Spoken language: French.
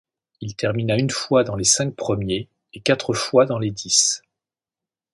Il termina une fois dans les cinq premiers et quatre fois dans les dix.